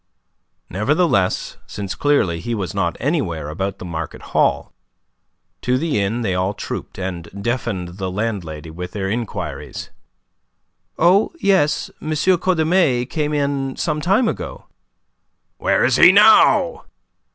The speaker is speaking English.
Nevertheless, since clearly he was not anywhere about the market hall, to the inn they all trooped, and deafened the landlady with their inquiries. "Oh, yes, M. Cordemais came in some time ago." "Where is he now?"